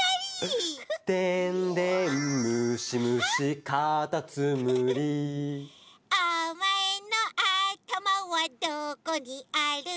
「でんでんむしむしかたつむり」「おまえのあたまはどこにある」